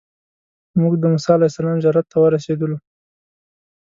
موږ د موسی علیه السلام زیارت ته ورسېدلو.